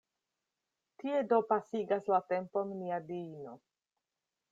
Tie do pasigas la tempon mia diino!